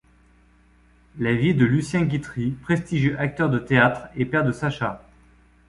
La vie de Lucien Guitry, prestigieux acteur de théâtre et père de Sacha.